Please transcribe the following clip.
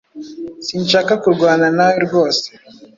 Sinshaka kurwana nawe rwose.